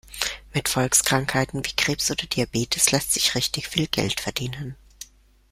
Mit Volkskrankheiten wie Krebs oder Diabetes lässt sich richtig viel Geld verdienen.